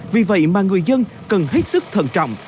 vì vậy mà người dân cần hết sức thận trọng